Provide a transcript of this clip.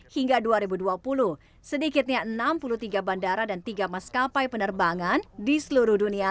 hingga dua ribu dua puluh sedikitnya enam puluh tiga bandara dan tiga maskapai penerbangan di seluruh dunia